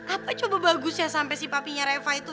apa coba bagus ya sampai si papinya reva itu